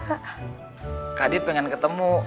kak adit pengen ketemu